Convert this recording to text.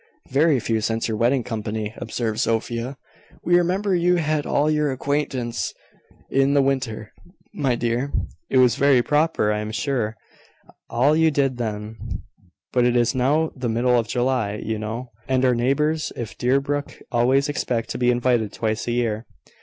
"Very few since your wedding company," observed Sophia. "We remember you had all your acquaintance in the winter, my dear. It was very proper, I am sure, all you did then: but it is now the middle of July, you know; and our neighbours if Deerbrook always expect to be invited twice a year."